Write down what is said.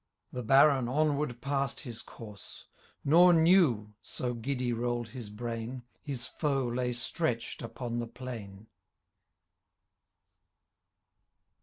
The Baron onward passed his course ; Nor knew — so giddy rolled his brain — His foe lay stretch''d upon the plain.